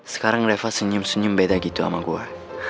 sekarang reva senyum senyum beda gitu sama gue